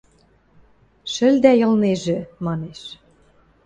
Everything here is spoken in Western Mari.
– Шӹлдӓй ылнежӹ... – манеш.